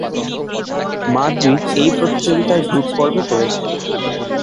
Madrid এই প্রতিযোগিতার group পর্বে করেছে।